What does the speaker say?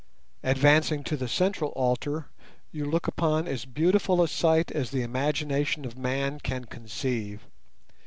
Advancing to the central altar you look upon as beautiful a sight as the imagination of man can conceive.